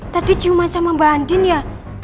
tadi ciuman sama mbak andin ya